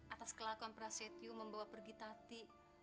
atas kelakuan prasetyo membawa pergi tati